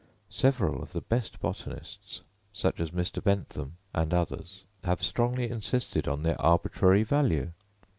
Several of the best botanists, such as Mr. Bentham and others, have strongly insisted on their arbitrary value.